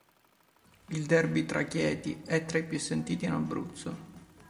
Il derby tra Chieti e è tra i più sentiti in Abruzzo.